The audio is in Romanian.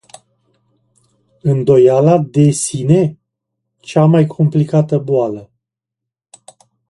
Îndoiala de sine, cea mai cumplită boală.